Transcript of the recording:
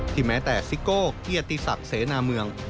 แม้แต่ซิโก้เกียรติศักดิ์เสนาเมือง